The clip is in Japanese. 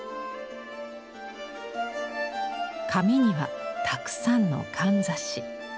髪にはたくさんのかんざし。